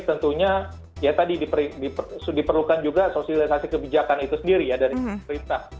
tentunya ya tadi diperlukan juga sosialisasi kebijakan itu sendiri ya dari pemerintah